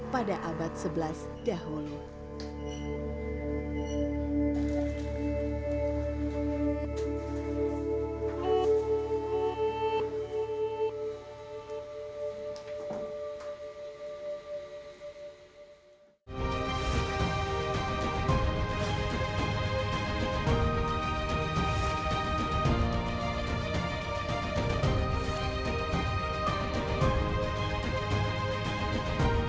pada abad sebelas dahulu